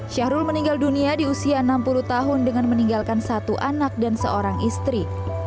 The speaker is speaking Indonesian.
syahrul meninggal dunia di usia enam puluh tahun dengan meninggalkan satu anak dan seorang istri